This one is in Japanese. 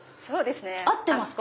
合ってますか？